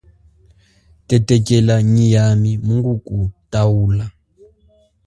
Tetekela nyi yami mungukutaula.